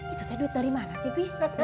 itu duit dari mana sih pi